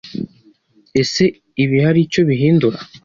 Ese ibi hari icyo bihindura?